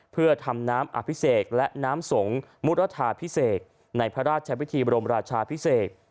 เพื่อทำน้ำอภิเษกและน้ำสงฆ์มุรทาพิเศษในพระราชวิธีบรมราชาพิเศษ